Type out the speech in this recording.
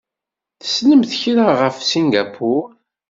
Tessnemt kra ɣef Singapur?